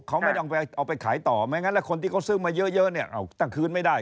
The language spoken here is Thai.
เขาไม่ได้เอาไปขายต่อแม้งั้นคนที่เขาซื้อมาเยอะตั้งคืนไม่ได้